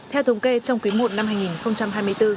theo thống kê trong quý i năm hai nghìn hai mươi bốn